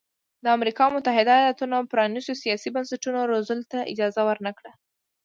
د امریکا متحده ایالتونو پرانیستو سیاسي بنسټونو روزولټ ته اجازه ورنه کړه.